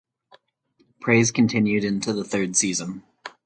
Praise continued into the third season.